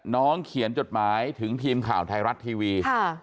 น้องเขียนจดหมายถึงทีมข่าวไทยรัฐทีวี